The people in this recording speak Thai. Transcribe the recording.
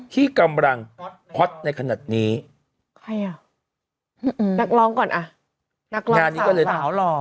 ที่กำลังฮอตในขณะนี้ใครอ่ะนักร้องก่อนอ่ะนักร้องสาวหล่อ